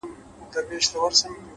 هره پرېکړه یوه نوې لاره جوړوي’